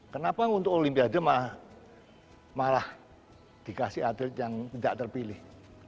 kenapa untuk olimpiade malah dikasih atlet yang tidak terpilih